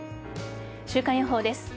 週間予報です。